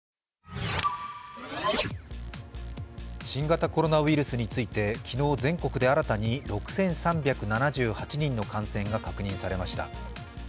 新型コロナウイルスについて、昨日全国で新たに６３７８人の感染が確認されました。